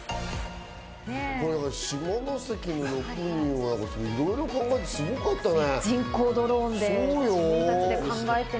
下関の６人はいろいろ考えてすごかったね。